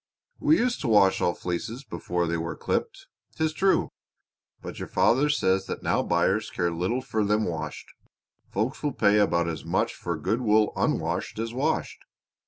We used to wash all fleeces before they were clipped, 'tis true. But your father says that now buyers care little for them washed. Folks will pay about as much for good wool unwashed as washed.